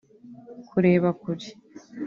kureba kure